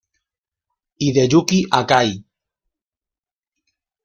Hideyuki Akai